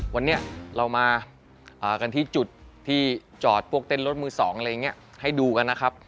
วันนี้เรามากันที่จุดที่จอดพวกเต้นรถมือ๒อะไรอย่างนี้ให้ดูกันนะครับ